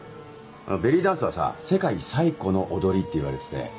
ベリーダンスはさ世界最古の踊りっていわれてて。